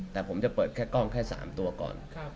แต่ผมจะเปิดแค่กล้องแค่๓ตัวก่อน